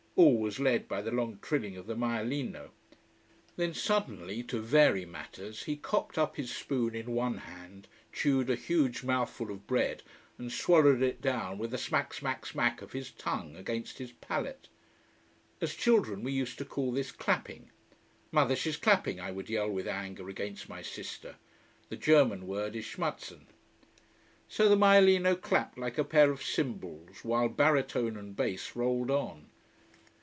All was led by the long trilling of the maialino. Then suddenly, to vary matters, he cocked up his spoon in one hand, chewed a huge mouthful of bread, and swallowed it down with a smack smack smack! of his tongue against his palate. As children we used to call this "clapping". "Mother, she's clapping!" I would yell with anger, against my sister. The German word is schmatzen. So the maialino clapped like a pair of cymbals, while baritone and bass rolled on.